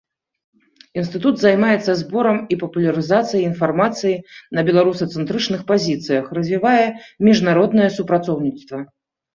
Інстытут займаецца зборам і папулярызацыяй інфармацыі на беларусацэнтрычных пазіцыях, развівае міжнароднае супрацоўніцтва.